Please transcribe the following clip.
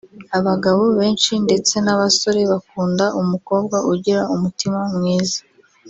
Abagabo benshi ndetse n’abasore bakunda umukobwa ugira umutima mwiza